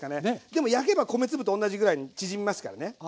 でも焼けば米粒と同じぐらいに縮みますからね。